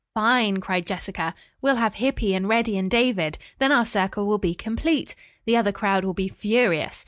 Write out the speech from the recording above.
"Fine!" cried Jessica. "We'll have Hippy and Reddy and David. Then our circle will be complete. The other crowd will be furious.